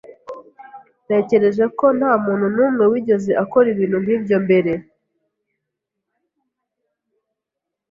Ntekereza ko ntamuntu numwe wigeze akora ibintu nkibyo mbere.